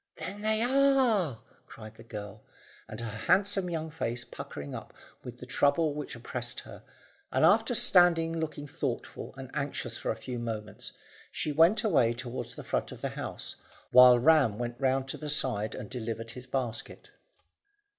"Then they are," cried the girl, with her handsome young face puckering up with the trouble which oppressed her, and after standing looking thoughtful and anxious for a few moments, she went away toward the front of the house, while Ram went round to the side and delivered his basket.